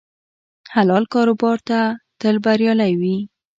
حلال کاروبار تل بریالی وي.